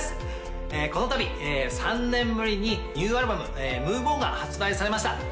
この度３年ぶりにニューアルバム「ＭｏｖｅＯｎ」が発売されました